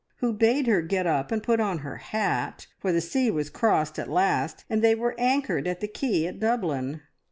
who bade her get up and put on her hat, for the sea was crossed at last, and they were anchored at the quay at Dublin.